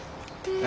え？